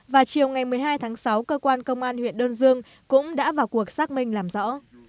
và chiều ngày một mươi hai tháng sáu cơ quan công an huyện đơn dương cũng đã vào cuộc xác minh làm rõ